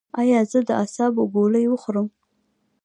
ایا زه د اعصابو ګولۍ وخورم؟